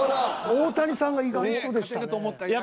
大谷さんが意外とでしたね。